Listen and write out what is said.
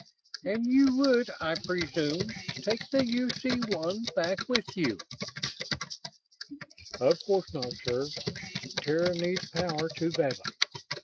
"And you would, I presume, take the UC 1 back with you?" "Of course not, sir. Terra needs power too badly.